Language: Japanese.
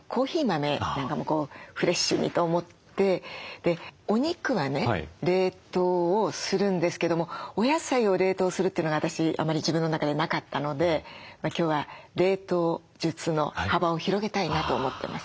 でお肉はね冷凍をするんですけどもお野菜を冷凍するというのが私あまり自分の中でなかったので今日は冷凍術の幅を広げたいなと思ってます。